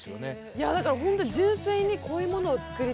いやだからほんと純粋にこういうものを作りたい。